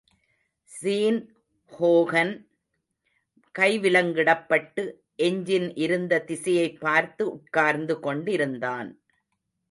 ஸீன்ஹோகன் கைவிலங்கிடப்பட் டு எஞ்சின் இருந்த திசையைப்பார்த்து உட்கார்ந்து கொண்டிருந்தான்.